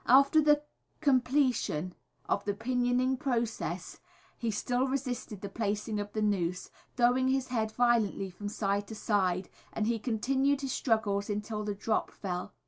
After the completion of the pinioning process he still resisted the placing of the noose, throwing his head violently from side to side, and he continued his struggles until the drop fell.